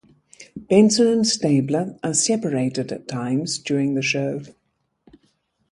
Benson and Stabler are separated at times during the show.